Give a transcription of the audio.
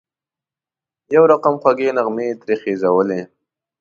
یو رقم خوږې نغمې یې ترې خېژولې.